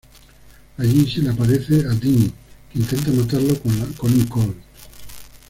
Allí se le aparece a Dean, que intenta matarlo con la Colt.